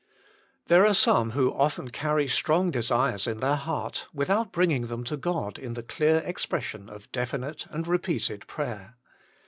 There are some who often carry strong desires in their heart, without bringing them to God in the clear expression of definite and repeated prayer.